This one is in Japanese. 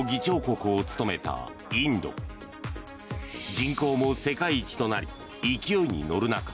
人口も世界一となり勢いに乗る中